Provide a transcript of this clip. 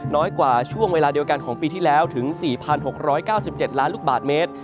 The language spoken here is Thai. น้อยกว่าช่วงเวลาเดียวกันของปีที่แล้วถึง๔๖๙๗ล้านลูกบาทเมตร